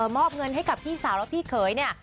มอบเงินให้กับพี่สาวและพี่เขยเนี่ย